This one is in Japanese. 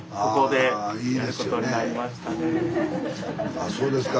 あそうですか。